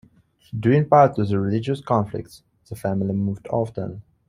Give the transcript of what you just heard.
Due in part to the religious conflicts, the family moved often.